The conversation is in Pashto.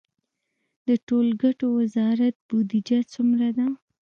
د ټولګټو وزارت بودیجه څومره ده؟